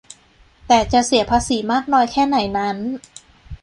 แต่จะเสียภาษีมากน้อยแค่ไหนนั้น